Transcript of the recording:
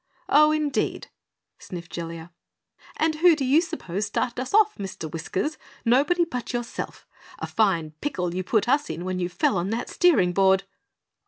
"Oh, indeed!" sniffed Jellia. "And who do you suppose started us off, Mr. Whiskers. Nobody but yourself. A fine pickle you put us in when you fell on that steering board."